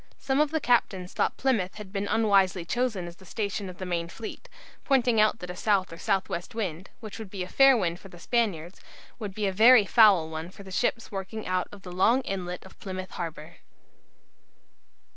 Some of the captains thought Plymouth had been unwisely chosen as the station of the main fleet, pointing out that a south or south west wind, which would be a fair wind for the Spaniards, would be a very foul one for ships working out of the long inlet of Plymouth Harbour.